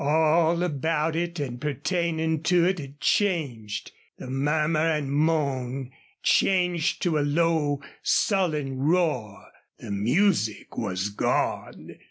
All about it and pertaining to it had changed. The murmur and moan changed to a low, sullen roar. The music was gone.